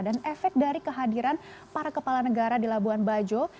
dan efek dari kehadiran para kepala negara di labuan bajo